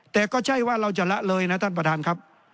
แต่ก็ใช่ว่าเราจะละเลยนะท่านประธานครับ